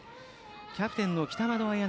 キャプテンの北窓絢音。